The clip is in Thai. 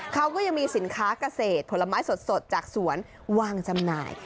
เขาก็ยังมีสินค้าเกษตรผลไม้สดจากสวนวางจำหน่าย